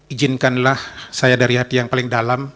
ijinkanlah saya dari hati yang paling dalam